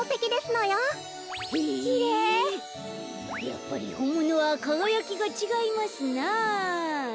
やっぱりほんものはかがやきがちがいますな。